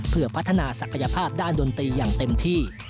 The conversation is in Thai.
เพื่อพัฒนาศักยภาพด้านดนตรีอย่างเต็มที่